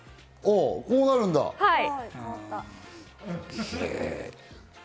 こうなるんだ、え。